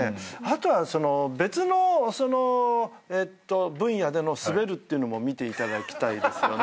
後は別の分野での「すべる」っていうのも見ていただきたいですよね。